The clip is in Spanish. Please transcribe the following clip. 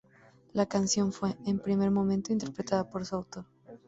La canción fue, en un primer momento, interpretada por su autor.